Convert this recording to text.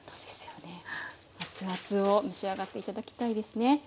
アツアツを召し上がって頂きたいですね。